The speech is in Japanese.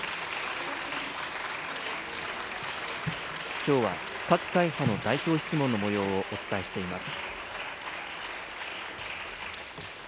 きょうは各会派の代表質問のもようをお伝えしています。